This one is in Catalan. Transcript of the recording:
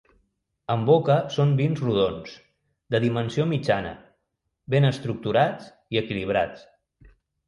En boca són vins rodons, de dimensió mitjana, ben estructurats i equilibrats.